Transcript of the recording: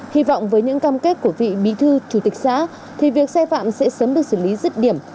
hy vọng với những cam kết của vị bí thư chủ tịch xã thì việc sai phạm sẽ sớm được xử lý rứt điểm